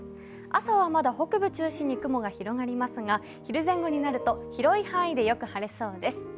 朝はまだ北部中心に雲が広がりますが、昼前後になると、広い範囲でよく晴れそうです。